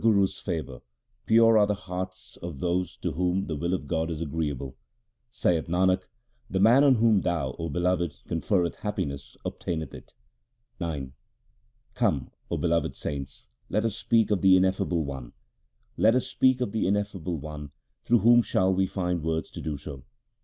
120 THE SIKH RELIGION Through the Guru's favour pure are the hearts of those to whom the will of God is agreeable. Saith Nanak, the man on whom Thou, 0 Beloved, con ferreth happiness obtaineth it. IX Come, O beloved saints, let us speak of the Ineffable One ; Let us speak of the Ineffable One ; through whom shall we find words to do so.